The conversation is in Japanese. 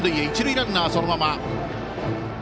一塁ランナーはそのまま。